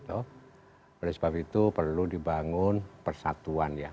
oleh sebab itu perlu dibangun persatuan ya